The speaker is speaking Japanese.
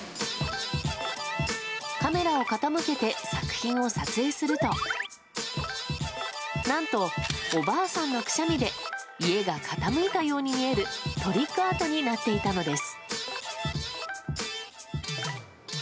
カメラを傾けて作品を撮影すると何と、おばあさんのくしゃみで家が傾いたように見えるトリックアートになっていたのです。